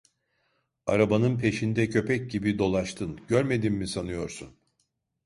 Arabanın peşinde köpek gibi dolaştın, görmedim mi sanıyorsun?